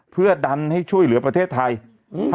เพื่อดันให้ช่วยเหลือประเทศไทย